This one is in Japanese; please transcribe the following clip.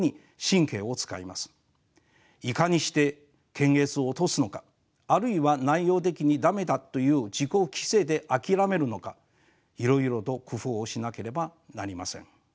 いかにして検閲を通すのかあるいは内容的に駄目だという自己規制で諦めるのかいろいろと工夫をしなければなりません。